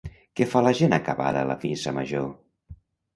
Què fa la gent acabada la missa major?